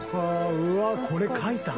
うわこれ描いたん？